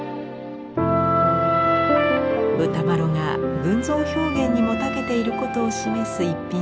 歌麿が群像表現にもたけていることを示す逸品です。